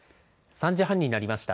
３時半になりました。